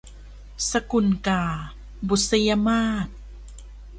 สกุลกา - บุษยมาส